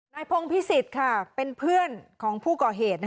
นายพงศ์พิสิทธิ์ค่ะเป็นเพื่อนของผู้ก่อเหตุนะคะ